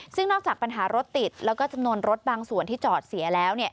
ซึ่งนอกจากปัญหารถติดแล้วก็จำนวนรถบางส่วนที่จอดเสียแล้ว